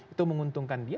itu menguntungkan dia